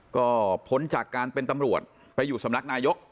ก็พ้นจากการเป็นตำรวจไปอยู่สำนักนายก